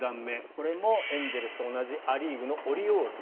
これもエンゼルスと同じア・リーグのオリオールズ。